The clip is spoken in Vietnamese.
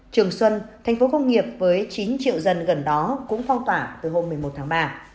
trường xuân thành phố công nghiệp với chín triệu dân gần đó cũng phong tỏa từ hôm một mươi một tháng ba